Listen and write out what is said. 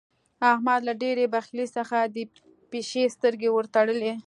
احمد له ډېرې بخيلۍ څخه د پيشي سترګې ور تړي.